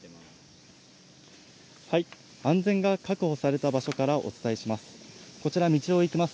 安全が確保された場所からお伝えします。